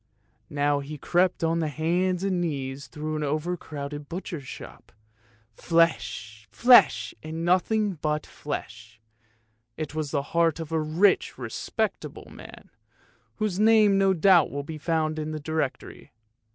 Now he crept on hands and knees through an over crowded butcher's shop. Flesh, flesh, and nothing but flesh; it was the heart of a rich respectable man, whose name no doubt will be found in the directory.